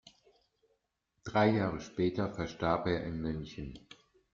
Drei Jahre später verstarb er in München.